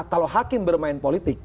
kalau hakim bermain politik